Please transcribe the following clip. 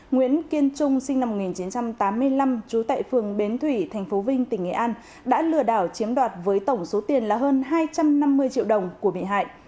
nguyễn kiên trung sinh năm một nghìn chín trăm tám mươi năm trú tại phường bến thủy tp vinh tỉnh nghệ an đã lừa đảo chiếm đoạt với tổng số tiền là hơn hai trăm năm mươi triệu đồng của bị hại